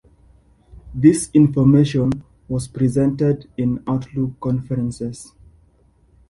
This information was presented in outlook conferences.